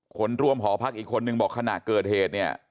คนร่วมหอพักอีกคนนึงบอกขณะเกิดเหตุเนี่ย